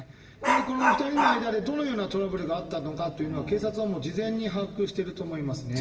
この２人の間でどのようなトラブルがあったのかっていうのは、警察はもう事前に把握してると思いますね。